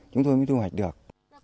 chúng tôi mới thu hoạch được